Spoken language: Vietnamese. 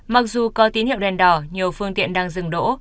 mặc dù có tín hiệu đèn đỏ nhiều phương tiện đang dừng đỗ